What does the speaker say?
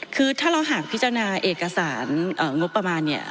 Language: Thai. คือถ้าเราหากพิจารณาเอกสารงบประมาณเนี่ย